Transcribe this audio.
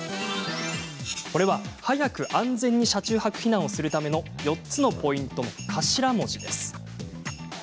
これは、早く、安全に車中泊避難をするための４つのポイントの頭文字です。